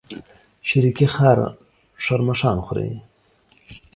شريکي خر شرمښآن خوري.